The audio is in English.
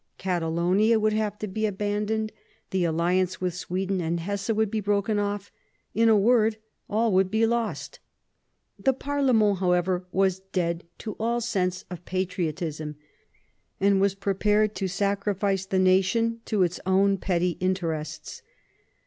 Catalonia would have to be abandoned, the alliance with Sweden and Hesse would be broken oflF; in a word, all would be lost The parlemeniy however, was dead to all sense of patriotism, and was prepared to sacrifice the nation to its own petty interests.